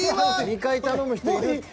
２回頼む人いるって。